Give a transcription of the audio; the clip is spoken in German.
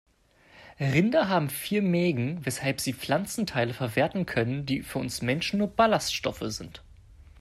Rinder haben vier Mägen, weshalb sie Pflanzenteile verwerten können, die für uns Menschen nur Ballaststoffe sind.